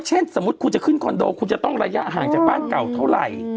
สมมุติคุณจะขึ้นคอนโดคุณจะต้องระยะห่างจากบ้านเก่าเท่าไหร่